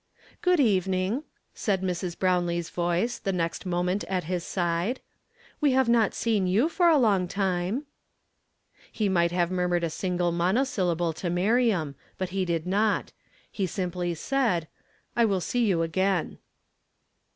"Good evening," said Mrs. P,rownlee's voice the next moment at his side; "we iiave not seen you for a long time." He might have murmured a single monosyllable to Miriam, but he did not; he simply said, "I will see you again."